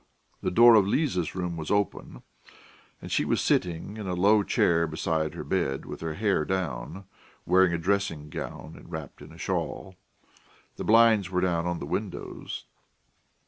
The door of Liza's room was open, and she was sitting in a low chair beside her bed, with her hair down, wearing a dressing gown and wrapped in a shawl. The blinds were down on the windows.